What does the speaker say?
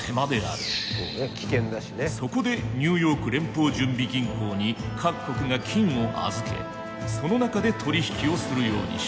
そこでニューヨーク連邦準備銀行に各国が金を預けその中で取引をするようにした。